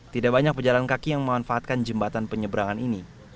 tidak banyak pejalan kaki yang memanfaatkan jembatan penyeberangan ini